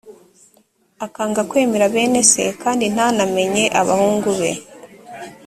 akanga kwemera bene se, kandi ntanamenye abahungu be.